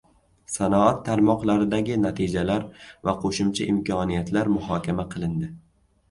Sanoat tarmoqlaridagi natijalar va qo‘shimcha imkoniyatlar muhokama qilindi